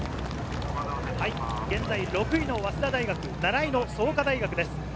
６位の早稲田大学、７位の創価大学です。